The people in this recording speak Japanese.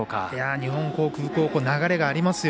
日本航空高校流れがありますよ。